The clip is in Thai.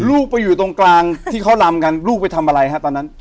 ลูกไปอยู่ตรงกลางที่เขาลำกันลูกไปทำอะไรฮะตอนนั้น